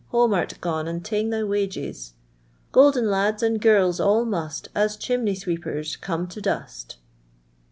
Home art gone, and ta'cn thy wages : Golden ladii and girls all must. An chimnejf Mceepent come to dust."